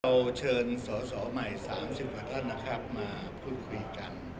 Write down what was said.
เราเชิญสอสอใหม่๓๐กว่าท่านนะครับมาพูดคุยกัน